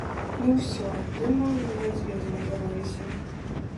Ну ўсё, думаю, на мядзведзя напароліся.